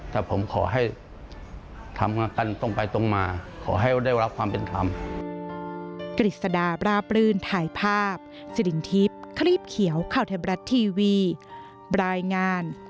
แต่ผมขอให้ทำงานกันตรงไปตรงมาขอให้ได้รับความเป็นธรรม